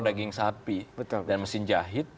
daging sapi dan mesin jahit